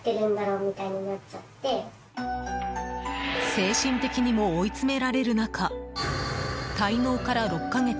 精神的にも追い詰められる中滞納から６か月